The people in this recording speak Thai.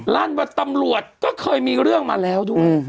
ลั่นว่าตำรวจก็เคยมีเรื่องมาแล้วด้วย